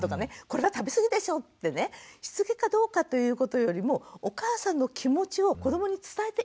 「これは食べ過ぎでしょ」ってねしつけかどうかということよりもお母さんの気持ちを子どもに伝えていいと思うんですよ。